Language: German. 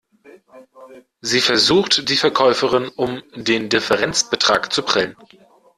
Sie versucht, die Verkäuferin um den Differenzbetrag zu prellen.